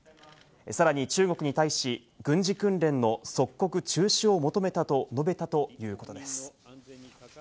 さらに中国に対し、軍事訓練の即刻中止を求めたと述べたということです。